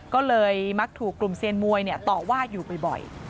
ก็เลยมักถูกกลุ่มเซียนมวยต่อว่าอยู่บ่อย